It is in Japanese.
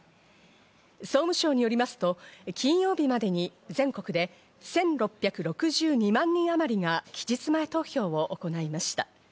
総務省によりますと、金曜日までに全国で１６６２万人あまりが期日前投票を行いました。